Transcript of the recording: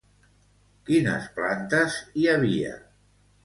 Quines plantes hi havia?